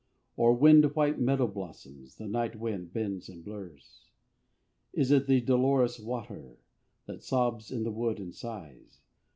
Or wild white meadow blossoms The night wind bends and blurs? Is it the dolorous water, That sobs in the wood and sighs?